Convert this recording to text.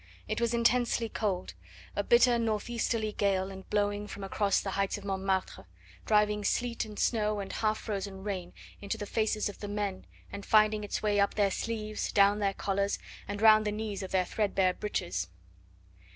It was intensely cold; a bitter north easterly gale was blowing from across the heights of Montmartre, driving sleet and snow and half frozen rain into the faces of the men, and finding its way up their sleeves, down their collars and round the knees of their threadbare breeches.